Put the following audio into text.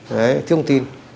đấy thiếu thông tin